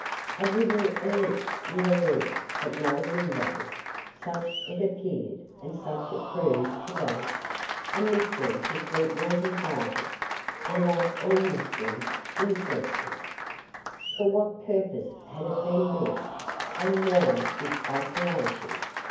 A wooden ellipse with a roof but no windows; such it appeared and such it proved to be. A mystery to Sweetwater's eyes, and like all mysteries, interesting. For what purpose had it been built and why this isolation?